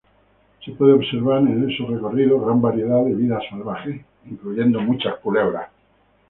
Se puede observar en esos recorridos gran variedad de vida salvaje, incluyendo muchas culebras.